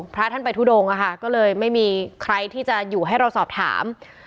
พระท่านไปทุดงอะค่ะก็เลยไม่มีใครที่จะอยู่ให้เราสอบถาม